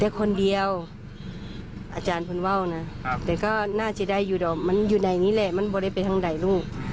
คนเดียวอาจารย์คนว่าวนะแต่ก็น่าจะได้อยู่ดอกมันอยู่ในนี้แหละมันบริไปทางใดลูก